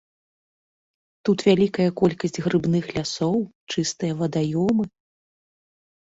Тут вялікая колькасць грыбных лясоў, чыстыя вадаёмы.